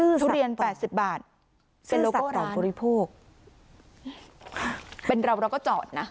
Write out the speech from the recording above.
เออทุเรียนแปดสิบบาทเป็นโลโก้ร้านเป็นเราก็จอดนะ